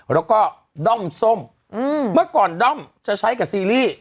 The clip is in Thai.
แล้วก็ด้อมส้มเมื่อก่อนด้อมจะใช้กับซีรีส์